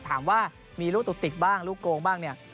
ถามว่ามีลูกตุติกบ้างลูกโกงบ้างเนี่ย